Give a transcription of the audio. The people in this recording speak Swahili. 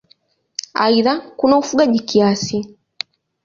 Aidha kuna ufugaji kiasi.